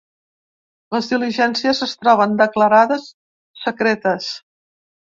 Les diligències es troben declarades secretes.